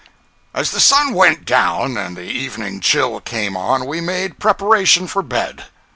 As the sun went down and the evening chill came on, we made preparation for bed.